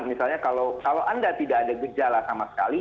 misalnya kalau anda tidak ada gejala sama sekali